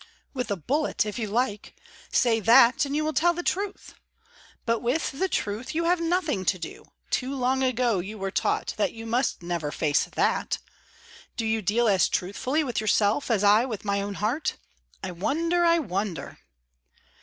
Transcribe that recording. With a bullet, if you like; say that, and you will tell the truth. But with the truth you have nothing to do; too long ago you were taught that you must never face that. Do you deal as truthfully with yourself as I with my own heart? I wonder, I wonder."